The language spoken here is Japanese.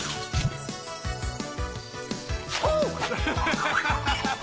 ハハハハハ！